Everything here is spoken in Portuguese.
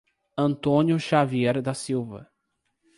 Antônio Xavier da Silva